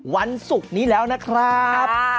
วันศุกร์นี้แล้วนะครับ